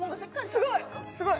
すごい！